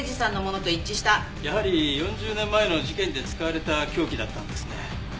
やはり４０年前の事件で使われた凶器だったんですね。